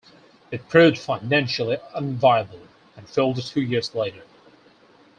It proved financially unviable and folded two years later.